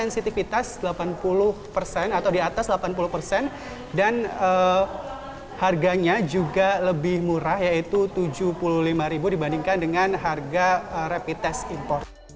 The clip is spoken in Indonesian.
sensitivitas delapan puluh persen atau di atas delapan puluh persen dan harganya juga lebih murah yaitu tujuh puluh lima dibandingkan dengan harga rapid test impor